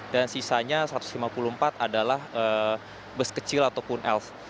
dan sisanya satu ratus lima puluh empat adalah bes kecil ataupun elf